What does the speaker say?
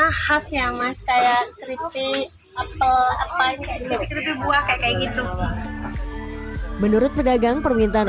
khasnya mas kayak kripit apel apa ini kripit buah kayak gitu menurut pedagang permintaan